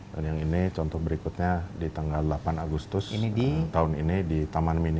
dan yang ini contoh berikutnya di tanggal delapan agustus tahun ini di taman mini